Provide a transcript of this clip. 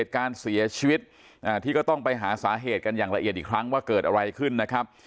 การเสียชีวิตที่ก็ต้องไปหาสาเหตุกันอย่างละเอียดอีกครั้งว่าเกิดอะไรขึ้นนะครับ